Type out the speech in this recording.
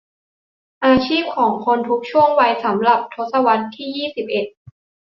อาชีพของคนทุกช่วงวัยสำหรับศตวรรษที่ยี่สิบเอ็ด